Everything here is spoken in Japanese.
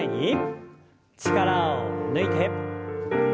力を抜いて。